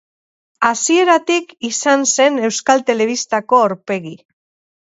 Hasieratik izan zen Euskal Telebistako aurpegi.